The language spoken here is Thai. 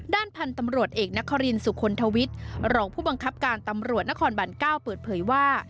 ด้านพันธุ์ตำรวจเอกนครินสุคลทวิทย์รองผู้บังคับการตำรวจนครบัน๙เปิดเผยว่า